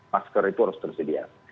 masker itu harus tersedia